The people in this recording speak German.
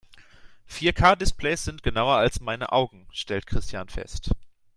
"Vier-K-Displays sind genauer als meine Augen", stellt Christian fest.